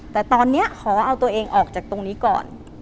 แต่ตอนนี้ขอเอาตัวเองออกจากตรงนี้ก่อน